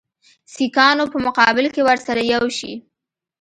د سیکهانو په مقابل کې ورسره یو شي.